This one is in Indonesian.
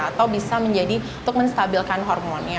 atau bisa menjadi untuk menstabilkan hormonnya